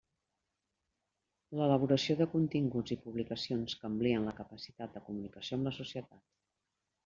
L'elaboració de continguts i publicacions que amplien la capacitat de comunicació amb la societat.